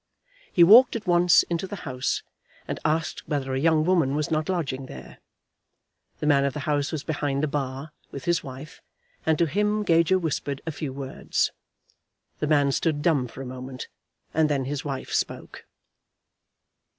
He walked at once into the house, and asked whether a young woman was not lodging there. The man of the house was behind the bar, with his wife, and to him Gager whispered a few words. The man stood dumb for a moment, and then his wife spoke.